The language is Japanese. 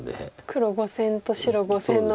黒５線と白５線の交換。